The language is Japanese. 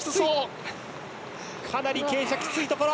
かなり傾斜きついところ。